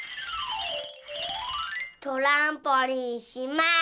トランポリンします！